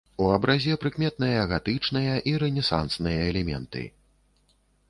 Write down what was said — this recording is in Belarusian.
У абразе прыкметныя гатычныя і рэнесансныя элементы.